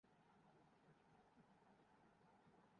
وہ اب موجود نہ تھا۔